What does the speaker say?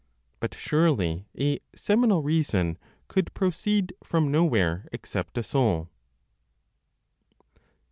But surely a (seminal) reason could proceed from nowhere except a soul.